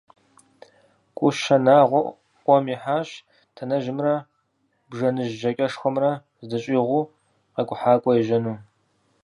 КӀущэ Нагъуэ Ӏуэм ихьащ Танэжьымрэ Бжэныжь ЖьакӀэшхуэмрэ здыщӀигъуу къэкӀухьакӀуэ ежьэну.